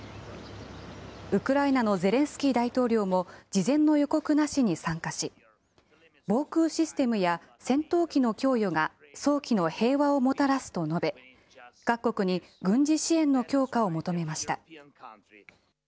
ウクライナのゼレンスキー大統領も事前の予告なしに参加し、防空システムや戦闘機の供与が早期の平和をもたらすと述べ、各国に軍事支援の強化を求めました。